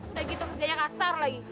udah gitu kerjanya kasar lagi